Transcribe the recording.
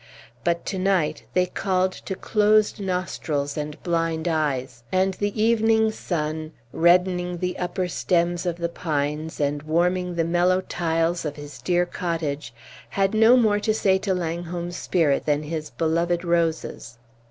But to night they called to closed nostrils and blind eyes. And the evening sun, reddening the upper stems of the pines, and warming the mellow tiles of his dear cottage, had no more to say to Langholm's spirit than his beloved roses.